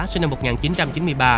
sinh năm một nghìn chín trăm chín mươi ba